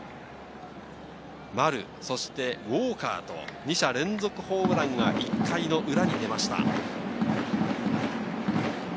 丸、そしてウォーカーと、２者連続ホームランが１回裏に出ました。